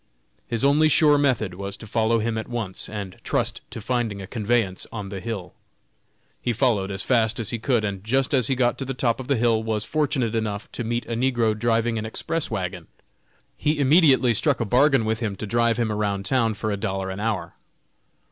His only sure method was to follow him at once, and trust to finding a conveyance on the hill. He followed as fast as he could, and just as he got to the top of the hill was fortunate enough to meet a negro driving an express wagon. He immediately struck a bargain with him to drive him around town for a dollar an hour.